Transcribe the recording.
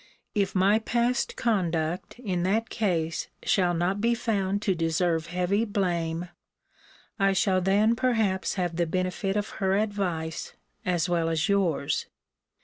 If my past conduct in that case shall not be found to deserve heavy blame, I shall then perhaps have the benefit of her advice, as well as yours.